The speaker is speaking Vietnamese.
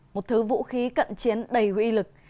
một thứ vũ khí cận chiến đầy huy lực